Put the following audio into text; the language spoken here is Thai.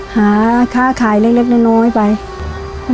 หาค่าขายเล็กน้อยไป